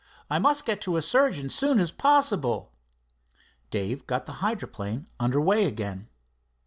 I must get to a surgeon soon as possible." Dave got the hydroplane under way again.